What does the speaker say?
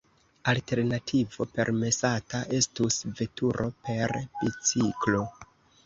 Alternativo permesata estus veturo per biciklo.